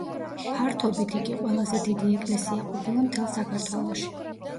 ფართობით იგი ყველაზე დიდი ეკლესია ყოფილა მთელ საქართველოში.